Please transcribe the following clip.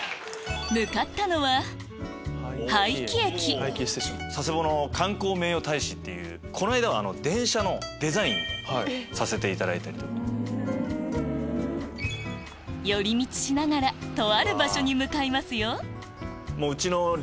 向かったのは早岐駅この間は電車のデザインさせていただいたりとか。寄り道しながらとある場所に向かいますよ